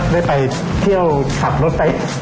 ได้ไปเที่ยวขับรถไป